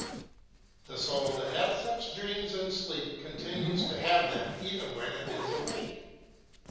The soul that has such dreams in sleep continues to have them even when it is awake.